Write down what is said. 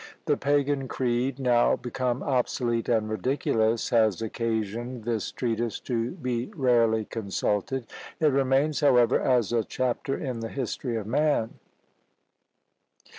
The pagan creed, now become obsolete and ridiculous, has occasioned this treatise to be rarely consulted; it remains, however, as a chapter in the history of man!